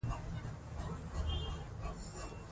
اداري بیاکتنه د تېروتنې جبران دی.